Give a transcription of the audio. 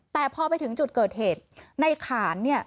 แต่พอไปถึงจุดเกิดเหตุในขานเนี่ย